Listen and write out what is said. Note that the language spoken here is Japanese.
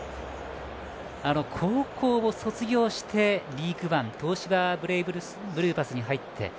高校を卒業してリーグワン東芝ブレイブルーパスに入って。